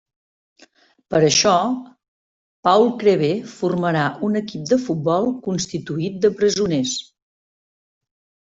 Per això, Paul Crewe formarà un equip de futbol constituït de presoners.